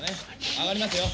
上がりますよ。